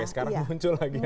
sekarang muncul lagi